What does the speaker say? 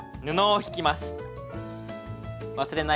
布を敷きます。